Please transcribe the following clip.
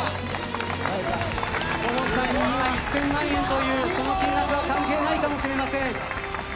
この２人に１０００万円という金額は関係ないかもしれません。